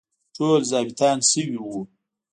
ټول ظابیطان شوي وو.